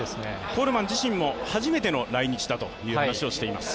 コールマン自身も初めての来日だと話しています。